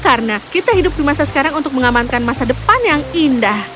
karena kita hidup di masa sekarang untuk mengamankan masa depan yang indah